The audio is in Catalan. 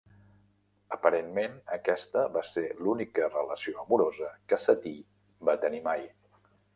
Aparentment, aquesta va ser l'única relació amorosa que Satie va tenir mai.